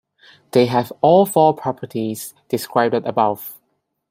They have all four properties described above.